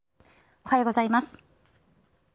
おはようございます。